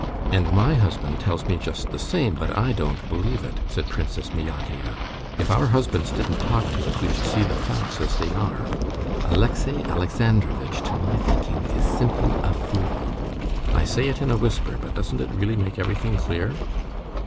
"And my husband tells me just the same, but I don't believe it," said Princess Myakaya. "If our husbands didn't talk to us, we should see the facts as they are. Alexey Alexandrovitch, to my thinking, is simply a fool. I say it in a whisper ... but doesn't it really make everything clear?